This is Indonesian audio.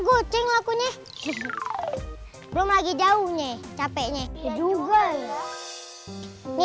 kucing lakunya belum lagi jauhnya capeknya juga nih nih